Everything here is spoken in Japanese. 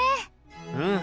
うん。